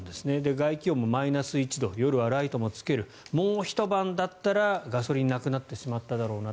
外気温もマイナス１度夜はライトもつけるもうひと晩だったらガソリンがなくなってしまっただろうなと。